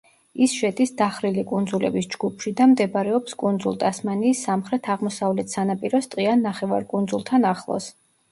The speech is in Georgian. ის შედის დახრილი კუნძულების ჯგუფში და მდებარეობს კუნძულ ტასმანიის სამხრეთ-აღმოსავლეთ სანაპიროს ტყიან ნახევარკუნძულთან ახლოს.